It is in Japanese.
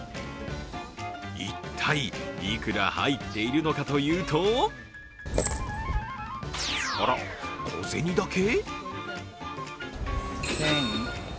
一体いくら入っているのかというとあら、小銭だけ？